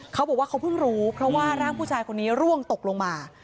เขาบอกว่าเขาเพิ่งรู้เพราะว่าร่างผู้ชายคนนี้ร่วงตกลงมา